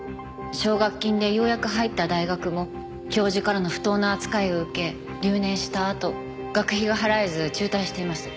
奨学金でようやく入った大学も教授からの不当な扱いを受け留年したあと学費が払えず中退しています。